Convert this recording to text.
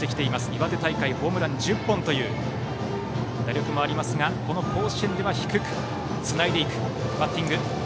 岩手大会ホームラン１０本という打力もありますがこの甲子園では低くつないでいくバッティング。